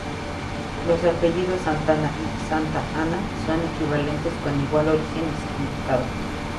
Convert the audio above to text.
Los apellidos "Santana" y "Santa Ana" son equivalentes con igual origen y significado.